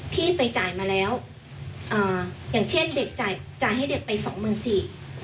พี่ไปจ่ายมาแล้วอ่าอย่างเช่นเด็กจ่ายจ่ายให้เด็กไปสองหมื่นสี่